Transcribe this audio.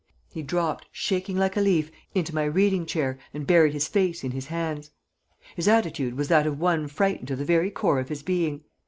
He dropped, shaking like a leaf, into my reading chair and buried his face in his hands. His attitude was that of one frightened to the very core of his being.